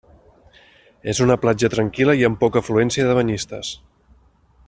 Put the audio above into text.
És una platja tranquil·la i amb poca afluència de banyistes.